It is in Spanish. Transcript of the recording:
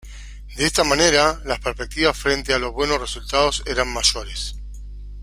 De esta manera las perspectivas frente a los buenos resultados eran mayores.